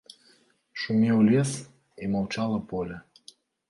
Шумеў лес, і маўчала поле.